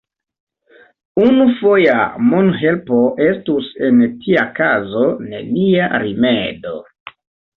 Unufoja monhelpo estus en tia kazo nenia rimedo.